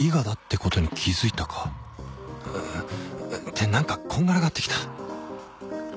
んって何かこんがらがってきた